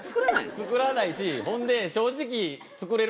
作らないしほんで。